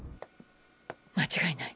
間違いない。